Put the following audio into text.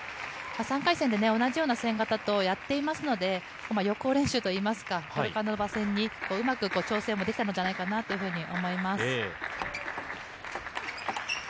３回戦で同じような戦型とやっていますので予行演習といいますかポルカノバ戦にうまく調整できたんじゃないかと思います。